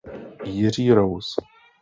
Jiří Rous.